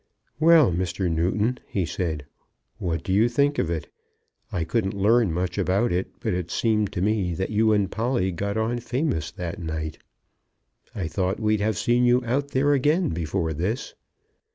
"Well, Mr. Newton," he said, "what do you think of it? I couldn't learn much about it, but it seemed to me that you and Polly got on famous that night. I thought we'd have seen you out there again before this."